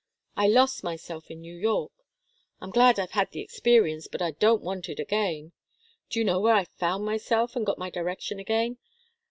I lost myself in New York. I'm glad I've had the experience, but I don't want it again. Do you know where I found myself and got my direction again?